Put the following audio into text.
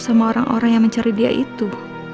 sama orang orang yang mencari dia itu